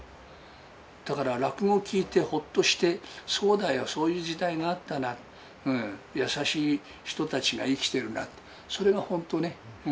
だから落語を聞いてほっとして、そうだよ、そういう時代があったな、優しい人たちが生きてるなって、それが本当ね。